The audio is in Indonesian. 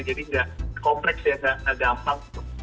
jadi nggak kompleks ya nggak gampang